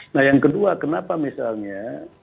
nah yang kedua kenapa misalnya